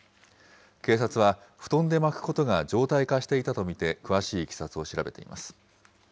警察は布団で巻くことが常態化していたと見て、詳しいいきさつを調べています。